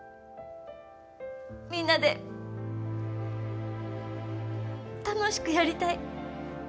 みんなで、楽しくやりたい。